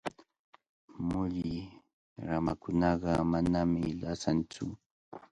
Mulli ramakunaqa manami lasantsu.